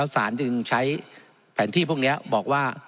สารจึงใช้แผนที่พวกนี้บอกว่า